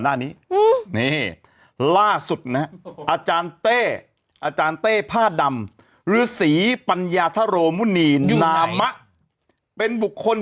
มอาจารย์เต้อาจารย์เต้ภาดดำพิลาะสีปัญญโธรมุนิน้ามะใช่มั้ยเป็นบุคคล